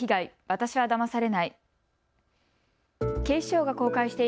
私はだまされない。